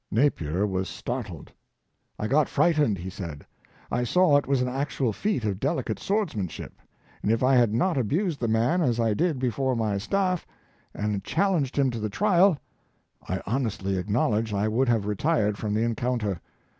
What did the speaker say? '' Napier was star tled. " I got frightened," he said; "I saw it was an actual feat of delicate swordsmanship, and if I had not abused the man as I did before my staff, and challenged him to the trial, I honestly acknowledge I would have retired from the encounter.